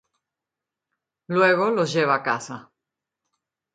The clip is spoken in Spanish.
Luego los lleva a casa.